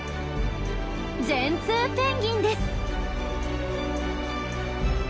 ジェンツーペンギンです。